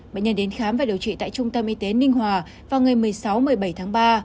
bệnh nhân đến khám và điều trị tại trung tâm y tế ninh hòa vào ngày một mươi sáu một mươi bảy tháng ba